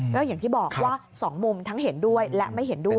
ก็อย่างที่บอกว่า๒มุมทั้งเห็นด้วยและไม่เห็นด้วย